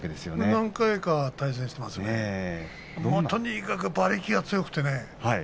何回かありましたねとにかく馬力が強くてね